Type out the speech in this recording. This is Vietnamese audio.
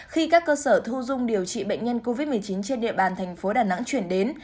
khi các cơ sở thu dung điều trị bệnh nhân covid một mươi chín trên địa bàn thành phố đà nẵng chuyển đến